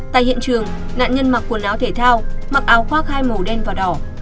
tại hiện trường nạn nhân mặc quần áo thể thao mặc áo khoác hai màu đen và đỏ